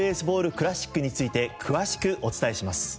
クラシックについて詳しくお伝えします。